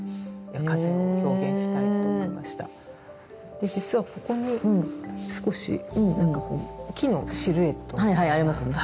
で実はここに少しなんかこう木のシルエットが。はいはいありますね。